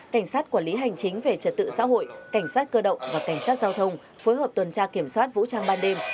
cảnh sát quản lý hành chính về trật tự xã hội cảnh sát cơ động và cảnh sát giao thông phối hợp tuần tra kiểm soát vũ trang ban đêm